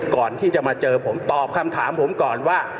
ก่อนที่จะมาเจอผมตอบคำถามผมก่อนว่า